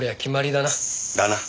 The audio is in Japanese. だな。